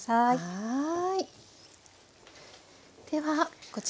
はい。